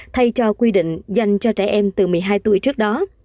thay cho quy định dành cho trẻ em từ một mươi hai tuổi trước đó